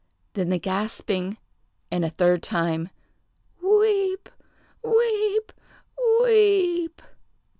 Then the gasping, and a third time, "Weep! weep! weep!"